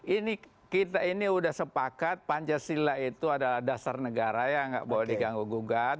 ini kita ini sudah sepakat pancasila itu adalah dasar negara ya nggak boleh diganggu gugat